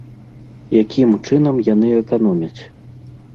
Якім чынам яны эканомяць?